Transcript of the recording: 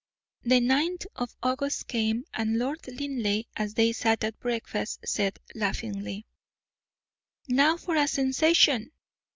The ninth of August came, and Lord Linleigh, as they sat at breakfast, said laughingly: "Now for a sensation!